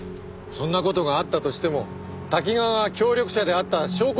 そんな事があったとしても瀧川が協力者であった証拠にはならない！